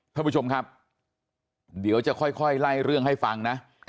ท่านผู้ชมครับเดี๋ยวจะค่อยไล่เรื่องให้ฟังนะ